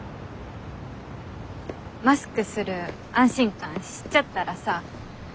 マスクする安心感知っちゃったらさ。